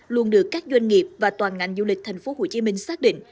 luôn được các doanh nghiệp và toàn ngành du lịch thành phố hồ chí minh xác định